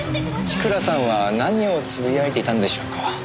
千倉さんは何をつぶやいていたんでしょうか？